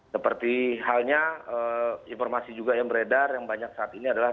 seperti halnya informasi juga yang beredar yang banyak saat ini adalah